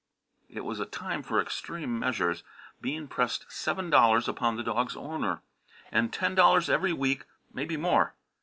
It was a time for extreme measures. Bean pressed seven dollars upon the dog's owner. "And ten dollars every week; maybe more!"